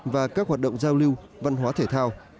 và các hoạt động giao lưu văn hóa thể thao